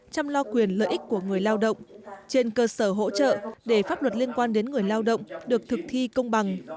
chăm lo quyền lợi ích của người lao động trên cơ sở hỗ trợ để pháp luật liên quan đến người lao động được thực thi công bằng